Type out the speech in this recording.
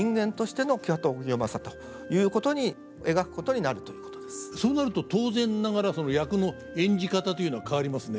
明治初期からはそうなると当然ながら役の演じ方というのは変わりますね。